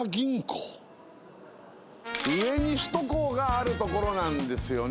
上に首都高がある所なんですよね。